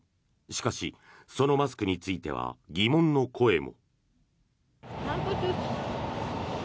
しかし、そのマスクについては疑問の声も。